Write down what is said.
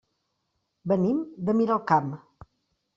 Venim de Miralcamp.